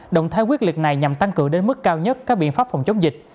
động thái quyết liệt này nhằm tăng cường đến mức cao nhất các biện pháp phòng chống dịch